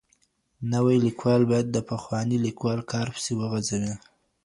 نوی لیکوال باید د پخواني لیکوال کار پسې وغځوي.